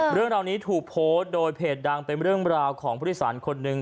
เรื่องราวนี้ถูกโพสต์โดยเพจดังเป็นเรื่องราวของผู้โดยสารคนหนึ่ง